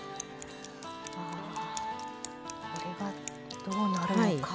あこれがどうなるのか。